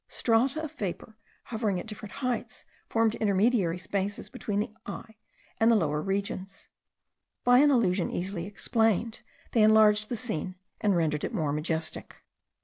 Strata of vapour, hovering at different heights, formed intermediary spaces between the eye and the lower regions. By an illusion easily explained, they enlarged the scene, and rendered it more majestic.